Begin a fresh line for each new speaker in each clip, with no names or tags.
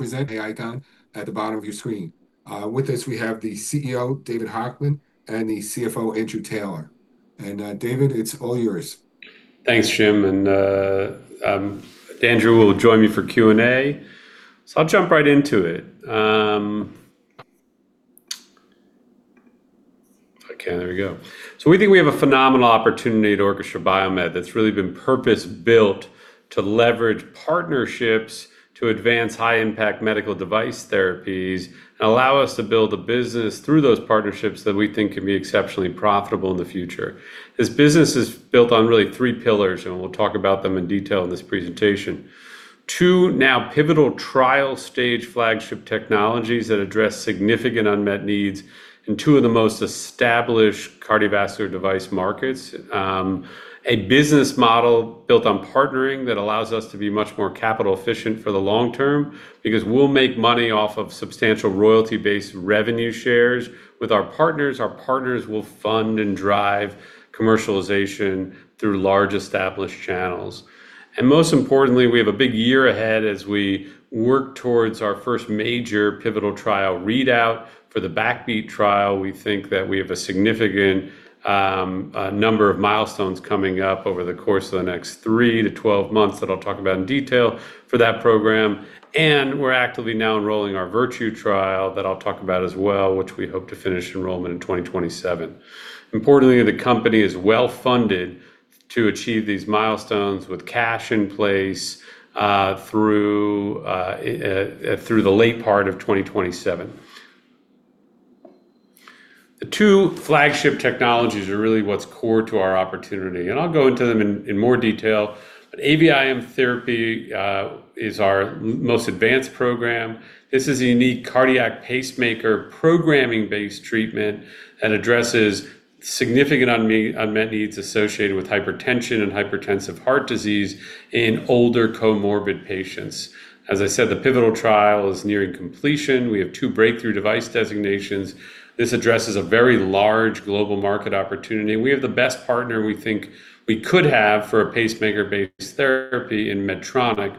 To present the icon at the bottom of your screen. With us, we have the CEO, David Hochman, and the CFO, Andrew Taylor. David, it's all yours.
Thanks, Jim, Andrew will join me for Q&A. I'll jump right into it. Okay, there we go. We think we have a phenomenal opportunity at Orchestra BioMed that's really been purpose-built to leverage partnerships to advance high-impact medical device therapies, and allow us to build a business through those partnerships that we think can be exceptionally profitable in the future. This business is built on really three pillars, and we'll talk about them in detail in this presentation. Two now pivotal trial stage flagship technologies that address significant unmet needs in two of the most established cardiovascular device markets. A business model built on partnering that allows us to be much more capital efficient for the long term, because we'll make money off of substantial royalty-based revenue shares with our partners. Our partners will fund and drive commercialization through large established channels. Most importantly, we have a big year ahead as we work towards our first major pivotal trial readout for the BACKBEAT trial. We think that we have a significant number of milestones coming up over the course of the next three to 12 months that I'll talk about in detail for that program. We're actively now enrolling our VIRTUE trial that I'll talk about as well, which we hope to finish enrollment in 2027. Importantly, the company is well-funded to achieve these milestones with cash in place through the late part of 2027. The two flagship technologies are really what's core to our opportunity, and I'll go into them in more detail. AVIM therapy is our most advanced program. This is a unique cardiac pacemaker programming-based treatment that addresses significant unmet needs associated with hypertension and hypertensive heart disease in older comorbid patients. As I said, the pivotal trial is nearing completion. We have two Breakthrough Device designations. This addresses a very large global market opportunity, and we have the best partner we think we could have for a pacemaker-based therapy in Medtronic,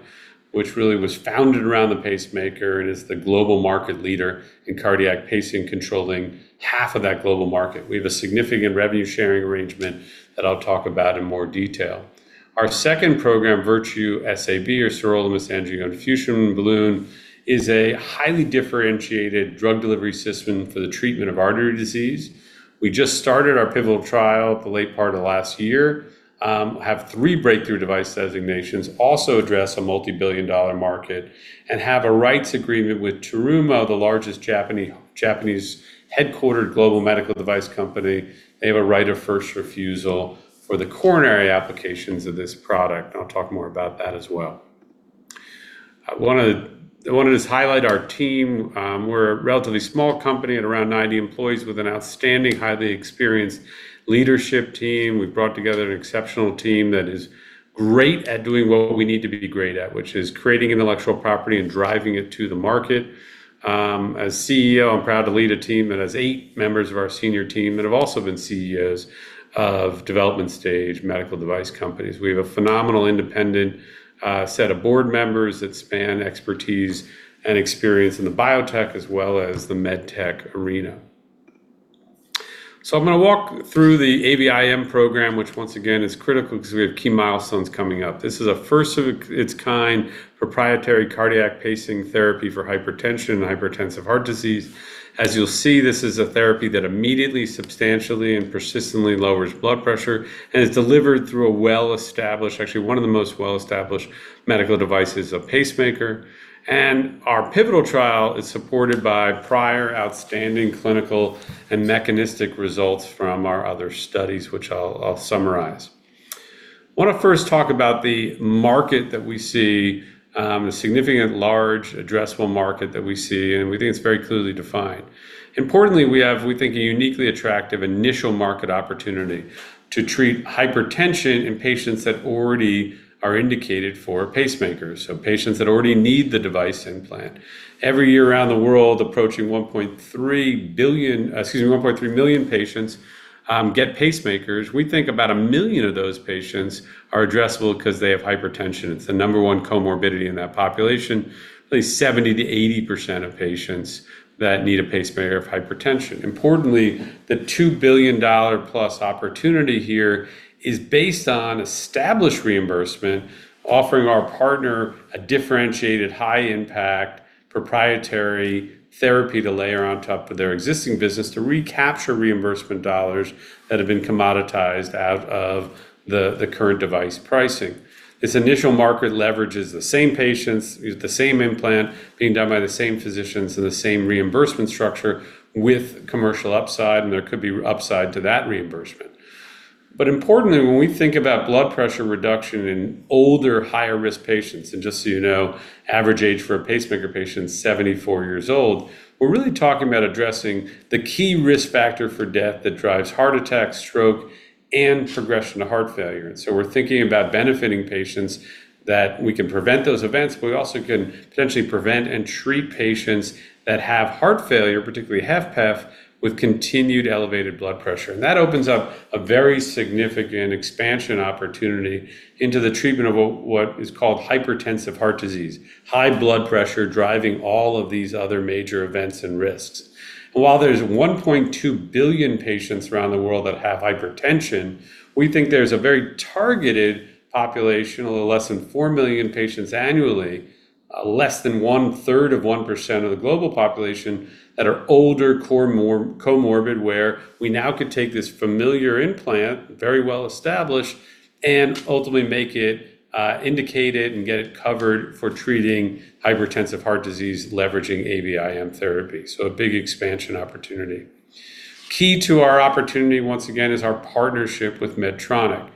which really was founded around the pacemaker and is the global market leader in cardiac pacing, controlling half of that global market. We have a significant revenue-sharing arrangement that I'll talk about in more detail. Our second program, VIRTUE-SAB, or Sirolimus AngioInfusion Balloon, is a highly differentiated drug delivery system for the treatment of artery disease. We just started our pivotal trial the late part of last year, have three Breakthrough Device designations, also address a multi-billion dollar market, and have a rights agreement with Terumo, the largest Japanese headquartered global medical device company. They have a right of first refusal for the coronary applications of this product. I'll talk more about that as well. I wanted to highlight our team. We're a relatively small company at around 90 employees with an outstanding, highly experienced leadership team. We've brought together an exceptional team that is great at doing what we need to be great at, which is creating intellectual property and driving it to the market. As CEO, I'm proud to lead a team that has eight members of our senior team that have also been CEOs of development stage medical device companies. We have a phenomenal independent set of board members that span expertise and experience in the biotech as well as the med tech arena. I'm going to walk through the AVIM program, which once again is critical because we have key milestones coming up. This is a first of its kind proprietary cardiac pacing therapy for hypertension and hypertensive heart disease. As you'll see, this is a therapy that immediately, substantially, and persistently lowers blood pressure and is delivered through a well-established, actually one of the most well-established medical devices, a pacemaker. Our pivotal trial is supported by prior outstanding clinical and mechanistic results from our other studies, which I'll summarize. I want to first talk about the market that we see, a significant large addressable market that we see, and we think it's very clearly defined. Importantly, we have, we think, a uniquely attractive initial market opportunity to treat hypertension in patients that already are indicated for pacemakers, so patients that already need the device implant. Every year around the world, approaching 1.3 million patients get pacemakers. We think about a million of those patients are addressable because they have hypertension. It's the number one comorbidity in that population. At least 70%-80% of patients that need a pacemaker have hypertension. Importantly, the $2 billion-plus opportunity here is based on established reimbursement, offering our partner a differentiated high-impact proprietary therapy to layer on top of their existing business to recapture reimbursement dollars that have been commoditized out of the current device pricing. This initial market leverages the same patients, the same implant, being done by the same physicians in the same reimbursement structure with commercial upside. There could be upside to that reimbursement. Importantly, when we think about blood pressure reduction in older, higher-risk patients, and just so you know, average age for a pacemaker patient is 74 years old, we're really talking about addressing the key risk factor for death that drives heart attack, stroke, and progression to heart failure. We're thinking about benefiting patients that we can prevent those events, but we also can potentially prevent and treat patients that have heart failure, particularly HFpEF, with continued elevated blood pressure. That opens up a very significant expansion opportunity into the treatment of what is called hypertensive heart disease, high blood pressure driving all of these other major events and risks. While there's 1.2 billion patients around the world that have hypertension, we think there's a very targeted population, a little less than four million patients annually. Less than one-third of 1% of the global population that are older, comorbid, where we now can take this familiar implant, very well-established, and ultimately make it indicated and get it covered for treating hypertensive heart disease, leveraging AVIM therapy. A big expansion opportunity. Key to our opportunity, once again, is our partnership with Medtronic.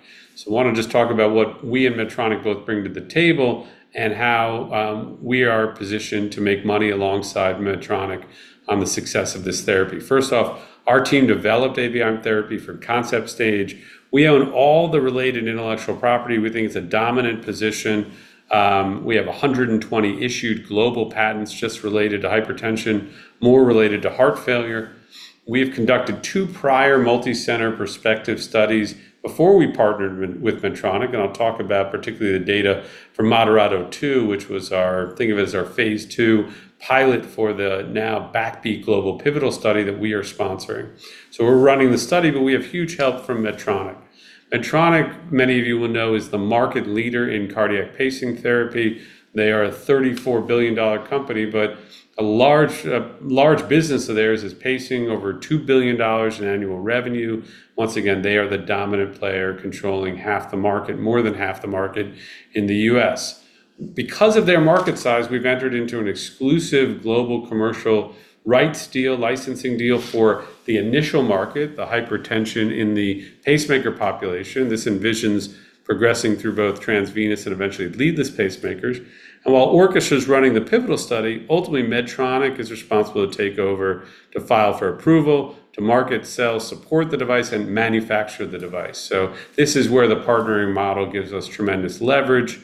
I want to just talk about what we and Medtronic both bring to the table and how we are positioned to make money alongside Medtronic on the success of this therapy. First off, our team developed AVIM therapy from concept stage. We own all the related intellectual property. We think it's a dominant position. We have 120 issued global patents just related to hypertension, more related to heart failure. We've conducted two prior multi-center perspective studies before we partnered with Medtronic, and I'll talk about particularly the data from MODERATO II, which was our think of it as our phase II pilot for the now BACKBEAT global pivotal study that we are sponsoring. We're running the study, but we have huge help from Medtronic. Medtronic, many of you will know, is the market leader in cardiac pacing therapy. They are a $34 billion company, but a large business of theirs is pacing over $2 billion in annual revenue. Once again, they are the dominant player controlling half the market, more than half the market in the U.S. Because of their market size, we've entered into an exclusive global commercial rights deal, licensing deal for the initial market, the hypertension in the pacemaker population. This envisions progressing through both transvenous and eventually leadless pacemakers. While Orchestra's running the pivotal study, ultimately Medtronic is responsible to take over to file for approval, to market, sell, support the device, and manufacture the device. This is where the partnering model gives us tremendous leverage.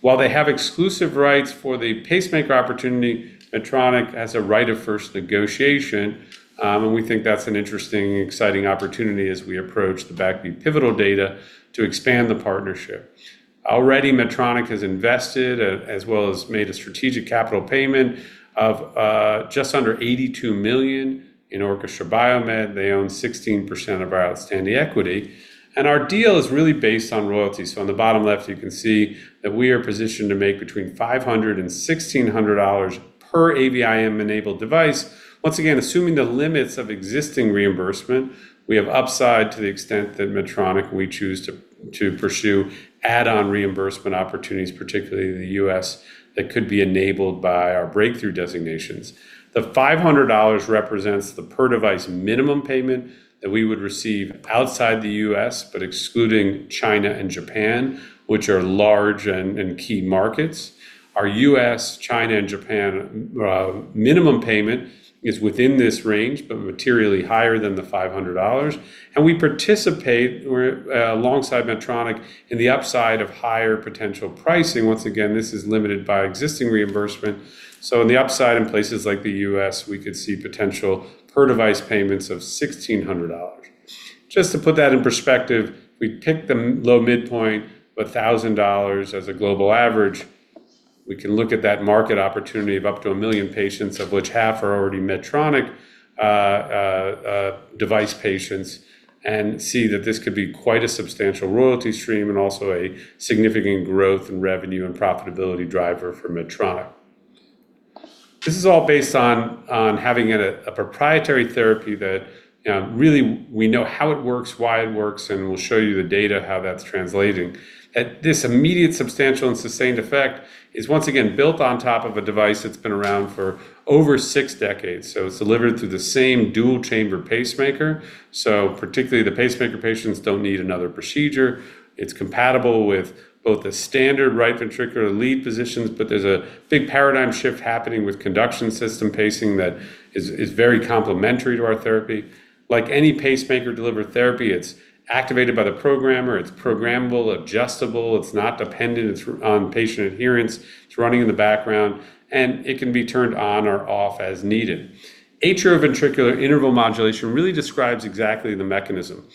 While they have exclusive rights for the pacemaker opportunity, Medtronic has a right of first negotiation. We think that's an interesting, exciting opportunity as we approach the BACKBEAT pivotal data to expand the partnership. Already, Medtronic has invested as well as made a strategic capital payment of just under $82 million in Orchestra BioMed. They own 16% of our outstanding equity. Our deal is really based on royalties. On the bottom left, you can see that we are positioned to make between $500 and $1,600 per AVIM-enabled device. Once again, assuming the limits of existing reimbursement, we have upside to the extent that Medtronic will choose to pursue add-on reimbursement opportunities, particularly in the U.S., that could be enabled by our Breakthrough Device designations. The $500 represents the per-device minimum payment that we would receive outside the U.S., but excluding China and Japan, which are large and key markets. Our U.S., China, and Japan minimum payment is within this range, but materially higher than the $500. We participate alongside Medtronic in the upside of higher potential pricing. Once again, this is limited by existing reimbursement. On the upside in places like the U.S., we could see potential per-device payments of $1,600. Just to put that in perspective, we picked the low midpoint of $1,000 as a global average. We can look at that market opportunity of up to a million patients, of which half are already Medtronic device patients, and see that this could be quite a substantial royalty stream and also a significant growth in revenue and profitability driver for Medtronic. This is all based on having a proprietary therapy that really we know how it works, why it works, and we'll show you the data, how that's translating. This immediate, substantial, and sustained effect is once again built on top of a device that's been around for over six decades. It's delivered through the same dual-chamber pacemaker. Particularly the pacemaker patients don't need another procedure. It's compatible with both the standard right ventricular lead positions, but there's a big paradigm shift happening with conduction system pacing that is very complementary to our therapy. Like any pacemaker-delivered therapy, it's activated by the programmer. It's programmable, adjustable. It's not dependent on patient adherence. It's running in the background, and it can be turned on or off as needed. Atrioventricular interval modulation really describes exactly the mechanism.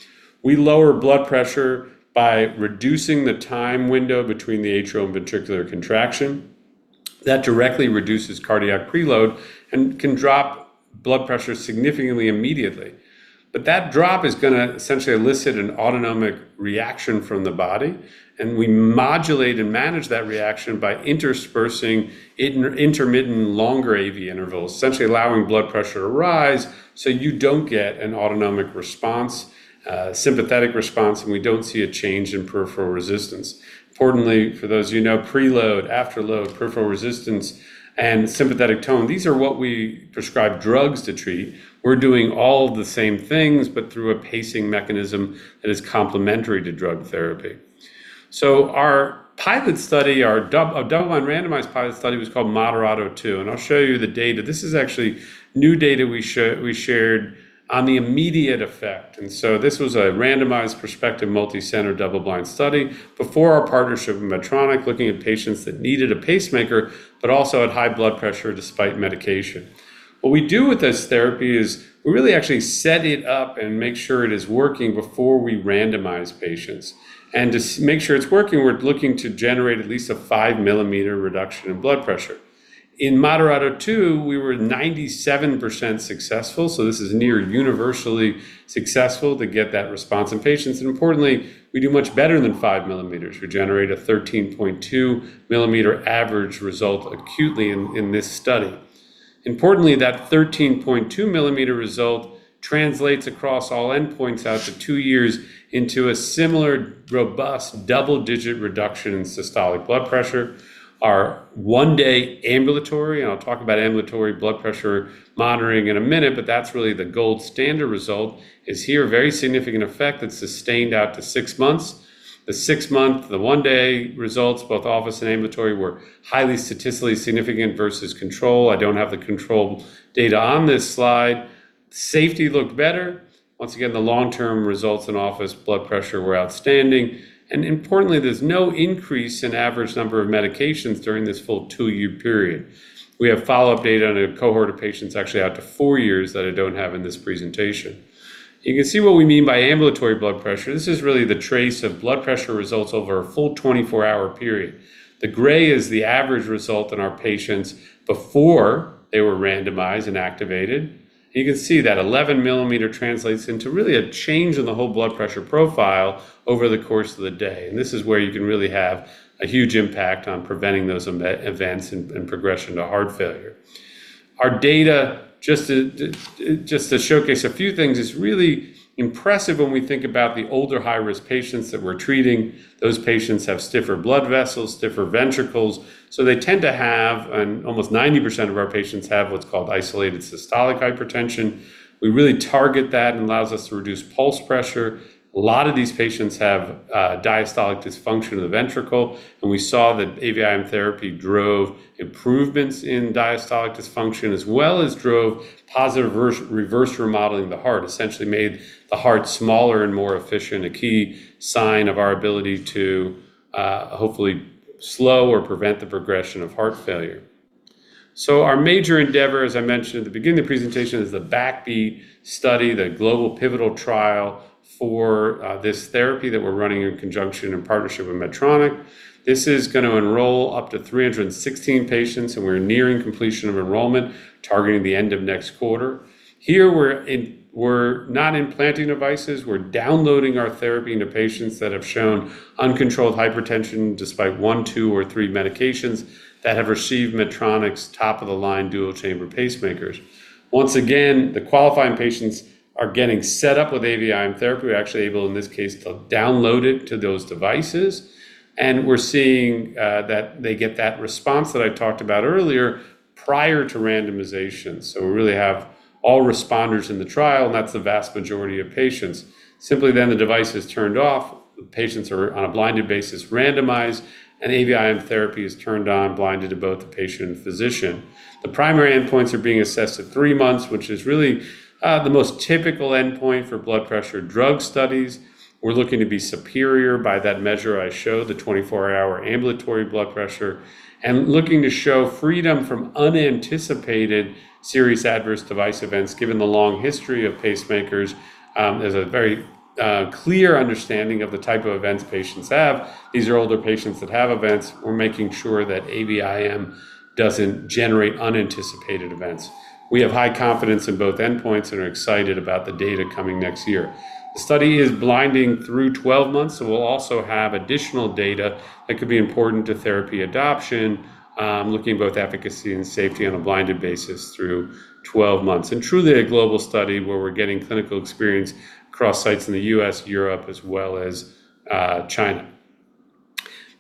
We lower blood pressure by reducing the time window between the atrial and ventricular contraction. That directly reduces cardiac preload and can drop blood pressure significantly immediately. That drop is going to essentially elicit an autonomic reaction from the body, and we modulate and manage that reaction by interspersing intermittent longer AV intervals, essentially allowing blood pressure to rise so you don't get an autonomic response, sympathetic response, and we don't see a change in peripheral resistance. Fortunately, for those you know, preload, afterload, peripheral resistance, and sympathetic tone, these are what we prescribe drugs to treat. We're doing all the same things, but through a pacing mechanism that is complementary to drug therapy. Our pilot study, our double-blind randomized pilot study, was called MODERATO II, and I'll show you the data. This is actually new data we shared on the immediate effect. This was a randomized, prospective, multi-center, double-blind study before our partnership with Medtronic, looking at patients that needed a pacemaker but also had high blood pressure despite medication. What we do with this therapy is we really actually set it up and make sure it is working before we randomize patients. To make sure it's working, we're looking to generate at least a five-millimeter reduction in blood pressure. In MODERATO II, we were 97% successful, this is near universally successful to get that response in patients. Importantly, we do much better than five millimeters. We generate a 13.2 mm average result acutely in this study. Importantly, that 13.2 mm result translates across all endpoints out to two years into a similar robust double-digit reduction in systolic blood pressure. Our one-day ambulatory, and I'll talk about ambulatory blood pressure monitoring in a minute, but that's really the gold standard result, is here, a very significant effect that's sustained out to six months. The six-month, the one-day results, both office and ambulatory, were highly statistically significant versus control. I don't have the control data on this slide. Safety looked better. Once again, the long-term results in office blood pressure were outstanding. Importantly, there's no increase in average number of medications during this full two-year period. We have follow-up data on a cohort of patients actually out to four years that I don't have in this presentation. You can see what we mean by ambulatory blood pressure. This is really the trace of blood pressure results over a full 24-hour period. The gray is the average result in our patients before they were randomized and activated. You can see that 11-millimeter translates into really a change in the whole blood pressure profile over the course of the day, this is where you can really have a huge impact on preventing those events and progression to heart failure. Our data, just to showcase a few things, is really impressive when we think about the older high-risk patients that we're treating. Those patients have stiffer blood vessels, stiffer ventricles, almost 90% of our patients have what's called isolated systolic hypertension. We really target that and allows us to reduce pulse pressure. A lot of these patients have diastolic dysfunction of the ventricle, and we saw that AVIM therapy drove improvements in diastolic dysfunction as well as drove positive reverse remodeling of the heart, essentially made the heart smaller and more efficient, a key sign of our ability to hopefully slow or prevent the progression of heart failure. Our major endeavor, as I mentioned at the beginning of the presentation, is the BACKBEAT study, the global pivotal trial for this therapy that we're running in conjunction and partnership with Medtronic. This is going to enroll up to 316 patients, and we're nearing completion of enrollment, targeting the end of next quarter. Here, we're not implanting devices. We're downloading our therapy into patients that have shown uncontrolled hypertension despite one, two, or three medications that have received Medtronic's top-of-the-line dual-chamber pacemakers. Once again, the qualifying patients are getting set up with AVIM therapy. We're actually able, in this case, to download it to those devices, and we're seeing that they get that response that I talked about earlier prior to randomization. We really have all responders in the trial, and that's the vast majority of patients. Simply the device is turned off. The patients are on a blinded basis randomized, and AVIM therapy is turned on, blinded to both the patient and physician. The primary endpoints are being assessed at three months, which is really the most typical endpoint for blood pressure drug studies. We're looking to be superior by that measure I showed, the 24-hour ambulatory blood pressure, and looking to show freedom from unanticipated serious adverse device events. Given the long history of pacemakers, there's a very clear understanding of the type of events patients have. These are older patients that have events. We're making sure that AVIM doesn't generate unanticipated events. We have high confidence in both endpoints and are excited about the data coming next year. The study is blinding through 12 months, so we'll also have additional data that could be important to therapy adoption, looking at both efficacy and safety on a blinded basis through 12 months. Truly a global study where we're getting clinical experience across sites in the U.S., Europe, as well as China.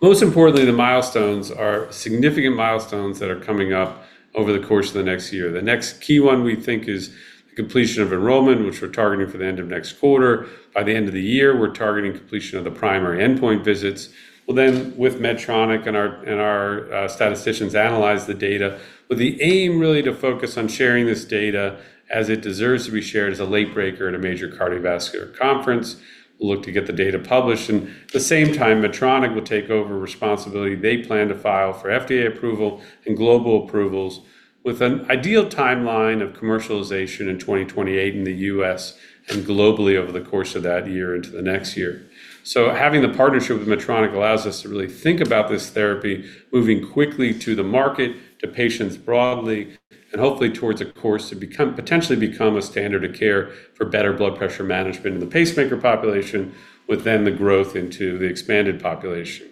Most importantly, the milestones are significant milestones that are coming up over the course of the next year. The next key one, we think, is the completion of enrollment, which we're targeting for the end of next quarter. By the end of the year, we're targeting completion of the primary endpoint visits. We'll then, with Medtronic and our statisticians, analyze the data with the aim really to focus on sharing this data as it deserves to be shared as a late breaker at a major cardiovascular conference. We'll look to get the data published, and at the same time, Medtronic will take over responsibility. They plan to file for FDA approval and global approvals with an ideal timeline of commercialization in 2028 in the U.S. and globally over the course of that year into the next year. Having the partnership with Medtronic allows us to really think about this therapy moving quickly to the market, to patients broadly, and hopefully towards a course to potentially become a standard of care for better blood pressure management in the pacemaker population, with the growth into the expanded population.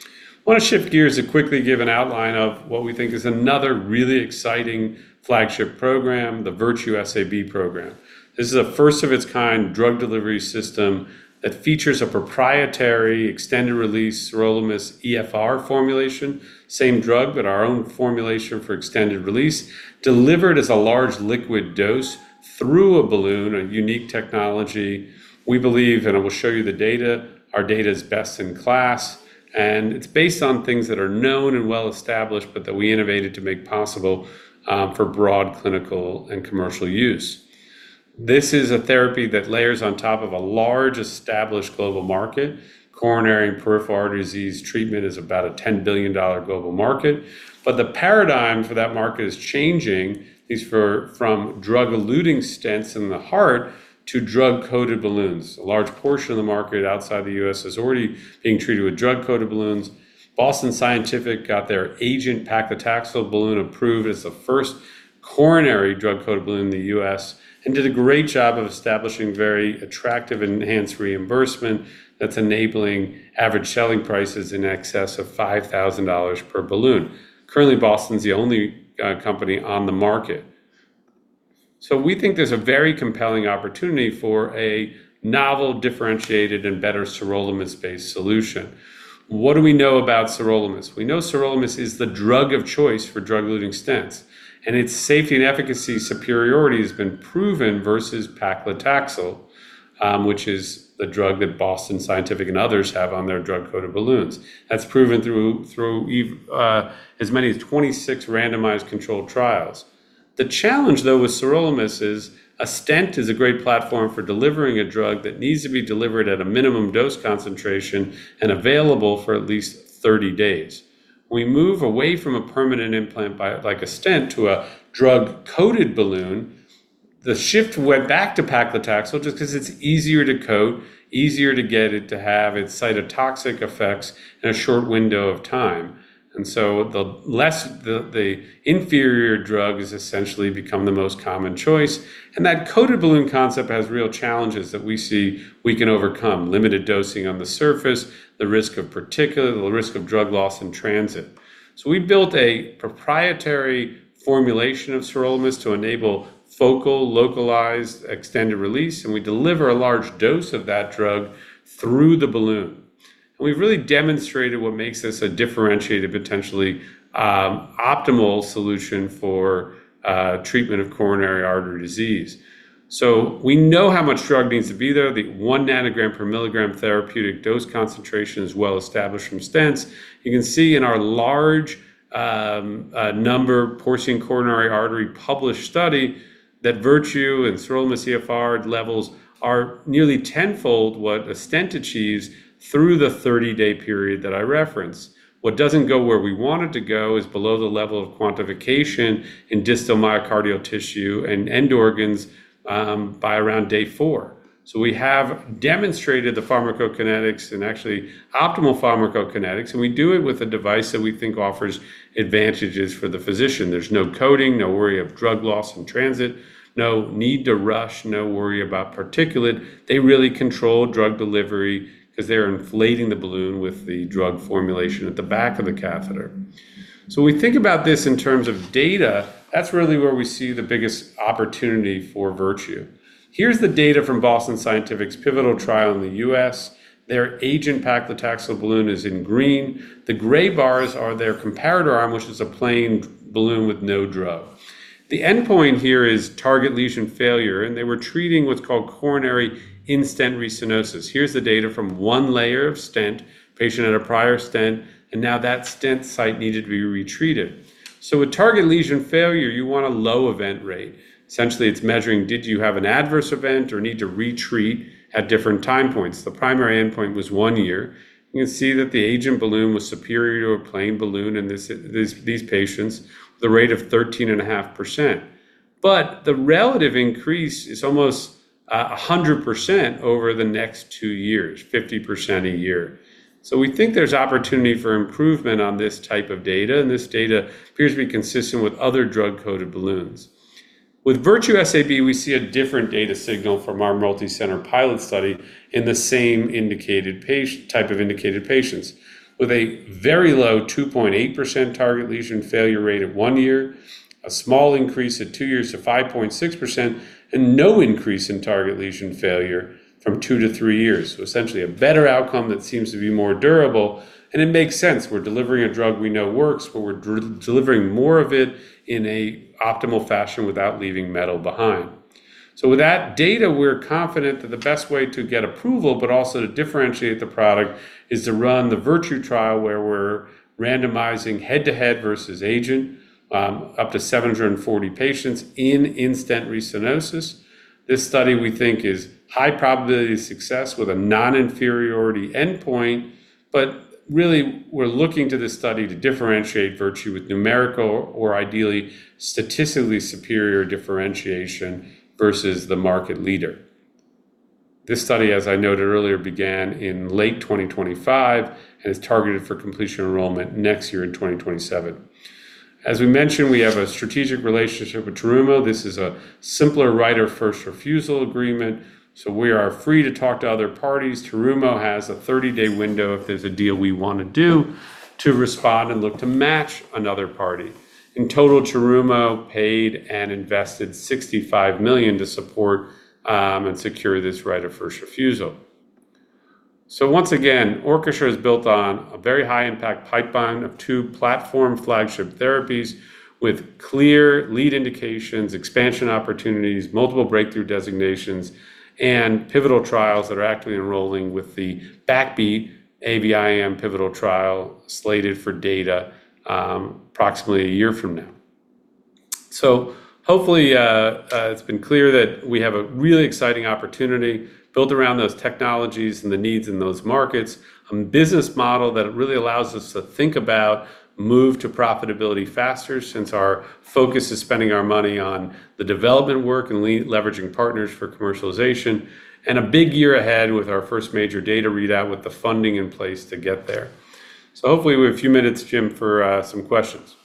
I want to shift gears to quickly give an outline of what we think is another really exciting flagship program, the Virtue SAB program. This is a first-of-its-kind drug delivery system that features a proprietary extended-release SirolimusEFR formulation, same drug, but our own formulation for extended release, delivered as a large liquid dose through a balloon, a unique technology. We believe, and I will show you the data, our data is best in class, and it's based on things that are known and well established, but that we innovated to make possible for broad clinical and commercial use. This is a therapy that layers on top of a large established global market. Coronary and peripheral artery disease treatment is about a $10 billion global market, but the paradigm for that market is changing from drug-eluting stents in the heart to drug-coated balloons. A large portion of the market outside the U.S. is already being treated with drug-coated balloons. Boston Scientific got their AGENT paclitaxel balloon approved as the first coronary drug-coated balloon in the U.S. and did a great job of establishing very attractive enhanced reimbursement that's enabling average selling prices in excess of $5,000 per balloon. Currently, Boston's the only company on the market. We think there's a very compelling opportunity for a novel, differentiated, and better sirolimus-based solution. What do we know about sirolimus? We know sirolimus is the drug of choice for drug-eluting stents, and its safety and efficacy superiority has been proven versus paclitaxel, which is the drug that Boston Scientific and others have on their drug-coated balloons. That's proven through as many as 26 randomized controlled trials. The challenge, though, with sirolimus is a stent is a great platform for delivering a drug that needs to be delivered at a minimum dose concentration and available for at least 30 days. We move away from a permanent implant, like a stent, to a drug-coated balloon. The shift went back to paclitaxel just because it's easier to coat, easier to get it to have its cytotoxic effects in a short window of time. The inferior drug has essentially become the most common choice, and that coated balloon concept has real challenges that we see we can overcome: limited dosing on the surface, the risk of particulate, the risk of drug loss in transit. We built a proprietary formulation of sirolimus to enable focal, localized, extended release, and we deliver a large dose of that drug through the balloon. We've really demonstrated what makes this a differentiated, potentially optimal solution for treatment of coronary artery disease. We know how much drug needs to be there. The one nanogram per milligram therapeutic dose concentration is well established from stents. You can see in our large number porcine coronary artery published study that Virtue and SirolimusEFR levels are nearly 10-fold what a stent achieves through the 30-day period that I referenced. What doesn't go where we want it to go is below the level of quantification in distal myocardial tissue and end organs by around day four. We have demonstrated the pharmacokinetics and actually optimal pharmacokinetics, and we do it with a device that we think offers advantages for the physician. There's no coating, no worry of drug loss in transit, no need to rush, no worry about particulate. They really control drug delivery because they're inflating the balloon with the drug formulation at the back of the catheter. We think about this in terms of data. That's really where we see the biggest opportunity for Virtue. Here's the data from Boston Scientific's pivotal trial in the U.S. Their AGENT paclitaxel balloon is in green. The gray bars are their comparator arm, which is a plain balloon with no drug. The endpoint here is target lesion failure, and they were treating what's called coronary in-stent restenosis. Here's the data from one layer of stent, patient had a prior stent, and now that stent site needed to be retreated. With target lesion failure, you want a low event rate. Essentially, it's measuring, did you have an adverse event or need to retreat at different time points? The primary endpoint was one year. You can see that the AGENT balloon was superior to a plain balloon in these patients with a rate of 13.5%. The relative increase is almost 100% over the next two years, 50% a year. We think there's opportunity for improvement on this type of data, and this data appears to be consistent with other drug-coated balloons. With Virtue SAB, we see a different data signal from our multi-center pilot study in the same type of indicated patients. With a very low 2.8% target lesion failure rate at one year, a small increase at two years to 5.6%, and no increase in target lesion failure from two to three years. Essentially, a better outcome that seems to be more durable, and it makes sense. We're delivering a drug we know works, but we're delivering more of it in an optimal fashion without leaving metal behind. With that data, we're confident that the best way to get approval, but also to differentiate the product, is to run the Virtue trial where we're randomizing head-to-head versus AGENT up to 740 patients in-stent restenosis. This study, we think, is high probability of success with a non-inferiority endpoint. Really, we're looking to this study to differentiate Virtue with numerical or ideally statistically superior differentiation versus the market leader. This study, as I noted earlier, began in late 2025 and is targeted for completion enrollment next year in 2027. As we mentioned, we have a strategic relationship with Terumo. This is a simpler right of first refusal agreement, we are free to talk to other parties. Terumo has a 30-day window if there's a deal we want to do to respond and look to match another party. In total, Terumo paid and invested $65 million to support and secure this right of first refusal. Once again, Orchestra BioMed is built on a very high-impact pipeline of two platform flagship therapies with clear lead indications, expansion opportunities, multiple Breakthrough Device designations, and pivotal trials that are actively enrolling with the BACKBEAT AVIM pivotal trial slated for data approximately a year from now. Hopefully, it's been clear that we have a really exciting opportunity built around those technologies and the needs in those markets, a business model that really allows us to think about move to profitability faster since our focus is spending our money on the development work and leveraging partners for commercialization, and a big year ahead with our first major data readout with the funding in place to get there. Hopefully, we have a few minutes, Jim, for some questions.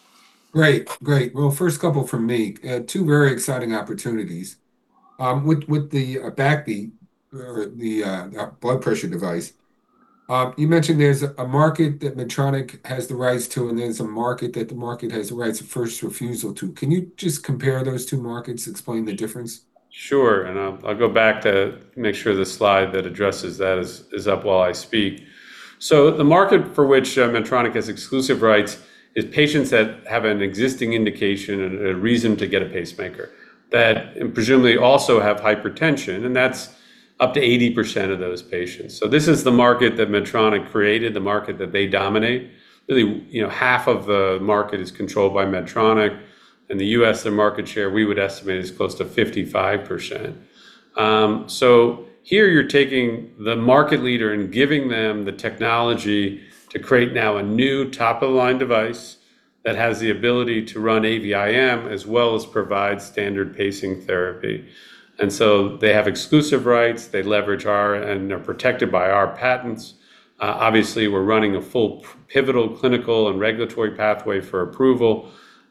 Great. First couple from me. Two very exciting opportunities. With the BACKBEAT or the blood pressure device, you mentioned there's a market that Medtronic has the rights to, and there's a market that the market has the right of first refusal to. Can you just compare those two markets, explain the difference?
Sure. I'll go back to make sure the slide that addresses that is up while I speak. The market for which Medtronic has exclusive rights is patients that have an existing indication and a reason to get a pacemaker that presumably also have hypertension, and that's up to 80% of those patients. This is the market that Medtronic created, the market that they dominate. Really, half of the market is controlled by Medtronic. In the U.S., their market share, we would estimate, is close to 55%. Here you're taking the market leader and giving them the technology to create now a new top-of-the-line device that has the ability to run AVIM as well as provide standard pacing therapy. They have exclusive rights. They leverage our and they're protected by our patents. Obviously, we're running a full pivotal clinical and regulatory pathway for approval.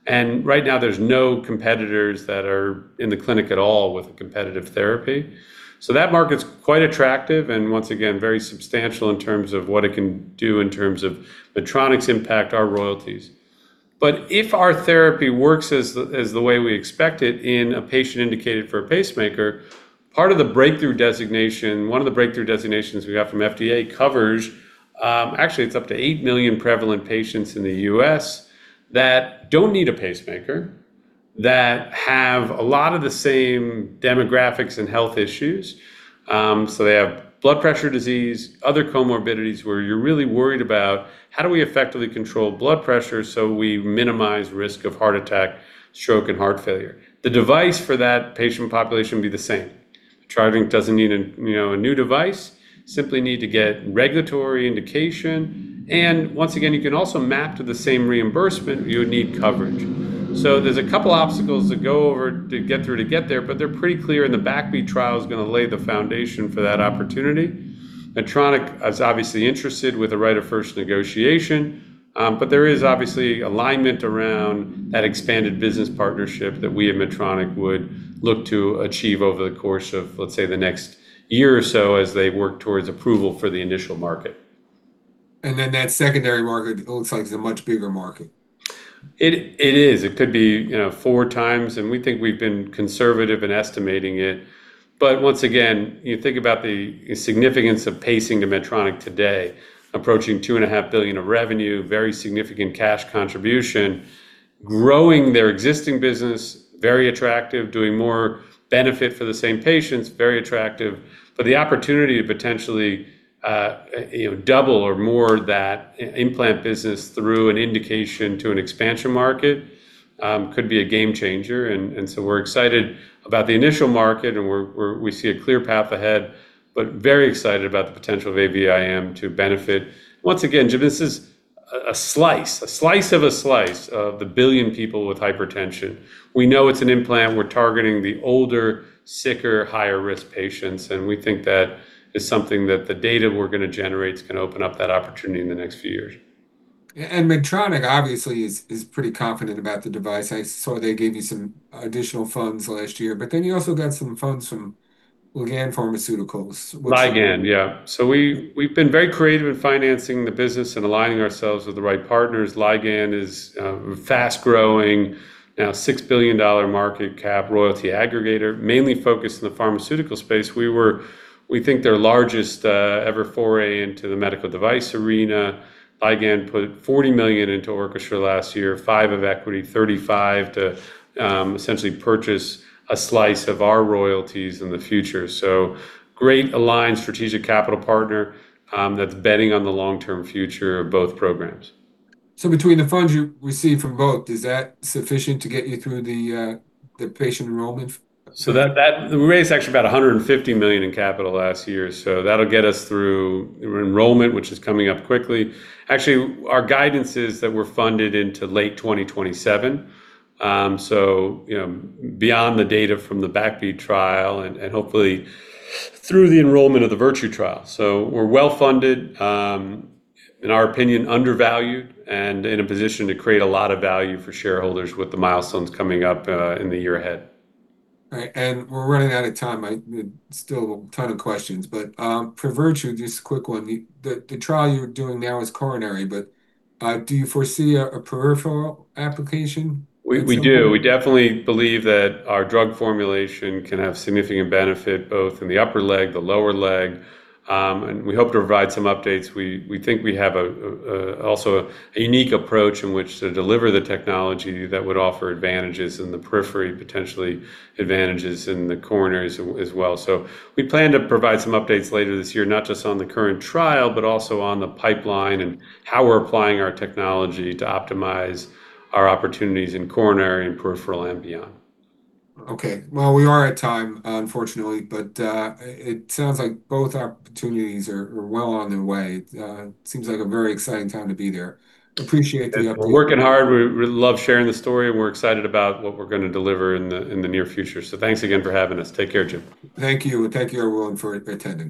Right now, there's no competitors that are in the clinic at all with a competitive therapy. That market's quite attractive and, once again, very substantial in terms of what it can do in terms of Medtronic's impact, our royalties. If our therapy works as the way we expect it in a patient indicated for a pacemaker, part of the Breakthrough Device designation, one of the Breakthrough Device designations we got from FDA covers, actually, it's up to eight million prevalent patients in the U.S. that don't need a pacemaker that have a lot of the same demographics and health issues. They have blood pressure disease, other comorbidities, where you're really worried about how do we effectively control blood pressure so we minimize risk of heart attack, stroke, and heart failure? The device for that patient population would be the same. TriVinc doesn't need a new device, simply need to get regulatory indication. Once again, you can also map to the same reimbursement, but you would need coverage. There's a couple obstacles to go over to get through to get there, but they're pretty clear, the BACKBEAT trial is going to lay the foundation for that opportunity. Medtronic is obviously interested with a right of first negotiation. There is obviously alignment around that expanded business partnership that we and Medtronic would look to achieve over the course of, let's say, the next year or so as they work towards approval for the initial market.
That secondary market looks like it's a much bigger market.
It is. It could be four times, we think we've been conservative in estimating it. Once again, you think about the significance of pacing to Medtronic today, approaching $2.5 billion of revenue, very significant cash contribution, growing their existing business, very attractive, doing more benefit for the same patients, very attractive. The opportunity to potentially double or more that implant business through an indication to an expansion market could be a game changer. We're excited about the initial market, we see a clear path ahead, but very excited about the potential of AV-IM to benefit. Once again, Jim, this is a slice of a slice of the one billion people with hypertension. We know it's an implant. We're targeting the older, sicker, higher-risk patients, we think that is something that the data we're going to generate is going to open up that opportunity in the next few years.
Medtronic obviously is pretty confident about the device. I saw they gave you some additional funds last year. Then you also got some funds from Ligand Pharmaceuticals, which-
Ligand, yeah. We've been very creative in financing the business and aligning ourselves with the right partners. Ligand is a fast-growing, now $6 billion market cap royalty aggregator, mainly focused in the pharmaceutical space. We think their largest ever foray into the medical device arena. Ligand put $40 million into Orchestra last year, $5 million of equity, $35 million to essentially purchase a slice of our royalties in the future. Great aligned strategic capital partner that's betting on the long-term future of both programs.
Between the funds you received from both, is that sufficient to get you through the patient enrollment?
We raised actually about $150 million in capital last year, that'll get us through enrollment, which is coming up quickly. Actually, our guidance is that we're funded into late 2027. Beyond the data from the BACKBEAT trial and hopefully through the enrollment of the Virtue trial. We're well-funded, in our opinion, undervalued, and in a position to create a lot of value for shareholders with the milestones coming up in the year ahead.
Right. We're running out of time. Still a ton of questions. For Virtue, just a quick one. The trial you're doing now is coronary, but do you foresee a peripheral application at some point?
We do. We definitely believe that our drug formulation can have significant benefit both in the upper leg, the lower leg. We hope to provide some updates. We think we have also a unique approach in which to deliver the technology that would offer advantages in the periphery, potentially advantages in the coronaries as well. We plan to provide some updates later this year, not just on the current trial, but also on the pipeline and how we're applying our technology to optimize our opportunities in coronary and peripheral and beyond.
Okay. Well, we are at time, unfortunately. It sounds like both opportunities are well on their way. It seems like a very exciting time to be there. Appreciate the update.
We're working hard. We love sharing the story, and we're excited about what we're going to deliver in the near future. Thanks again for having us. Take care, Jim.
Thank you. Thank you, everyone, for attending.